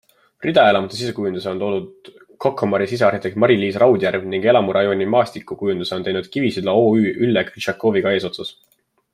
Ridaelamute sisekujunduse on loonud Cocomari sisearhitekt Mari-Liis Raudjärv ning elamurajooni maastikukujunduse on teinud Kivisilla OÜ Ülle Grišakoviga eesotsas.